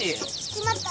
しまった。